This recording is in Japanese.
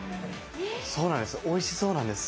そうなんです。